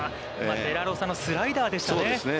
デラロサのスライダーでしたね。